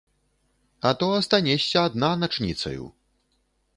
А то астанешся адна начніцаю.